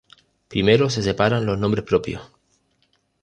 Primero se separan los nombres propios.